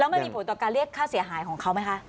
มันมีผลต่อการเรียกค่าเสียหายของเขาไหมคะ